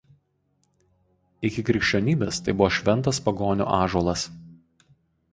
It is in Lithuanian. Iki krikščionybės tai buvo šventas pagonių ąžuolas.